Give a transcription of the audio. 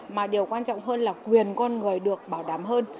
mà điều quan trọng hơn là quyền con người được bảo đảm hơn